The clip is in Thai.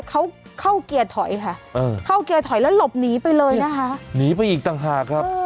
เขาเข้าเกียร์ถอยค่ะเข้าเกียร์ถอยแล้วหลบหนีไปเลยนะครับ